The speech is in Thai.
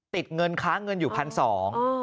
ติดเงินค้าเงินอยู่พันสอง